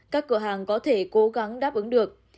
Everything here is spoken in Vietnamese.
các cửa hàng có thể cố gắng đáp ứng được